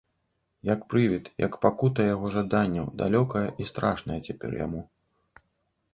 Як прывід, як пакута яго жаданняў, далёкая і страшная цяпер яму.